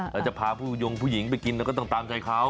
แล้วจะพาผู้ยงผู้หญิงไปกินเราก็ต้องตามใจเขา